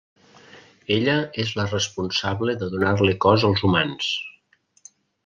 Ella és la responsable de donar-li cos als humans.